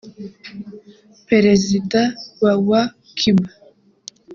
perezida wa wa Cuba